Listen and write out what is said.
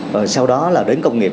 và sau đó là đến công nghiệp